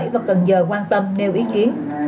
và cần giờ quan tâm nêu ý kiến